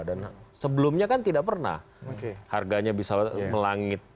dan sebelumnya kan tidak pernah harganya bisa melangit